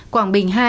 quảng bình hai